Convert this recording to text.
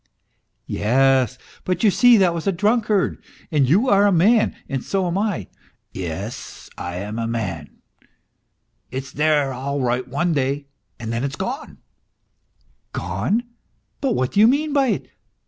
" Yes ; but you see that was a drunkard, and j ou are a man, and so am I." " Yes, I am a man. It's there all right one day and then it's gone." " Gone ! But what do you mean by it ?